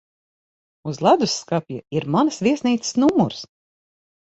Uz ledusskapja ir manas viesnīcas numurs.